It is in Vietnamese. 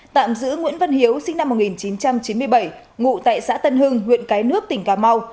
tạm giữ nguyễn văn hiếu sinh năm một nghìn chín trăm chín mươi bảy ngụ tại xã tân hưng huyện cái nước tỉnh cà mau